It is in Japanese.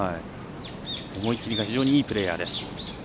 思い切りが非常にいいプレーヤーです。